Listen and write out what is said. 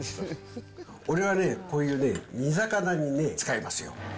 俺はね、こういうね、煮魚にね、使いますよ。